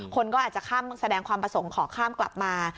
คนก็อาจจะข้ามแสดงความประสงค์ขอข้ามกลับมา